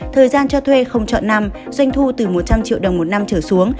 thời gian cho thuê không chọn năm doanh thu từ một trăm linh triệu đồng một năm trở xuống